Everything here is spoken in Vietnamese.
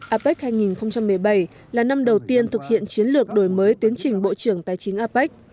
apec hai nghìn một mươi bảy là năm đầu tiên thực hiện chiến lược đổi mới tiến trình bộ trưởng tài chính apec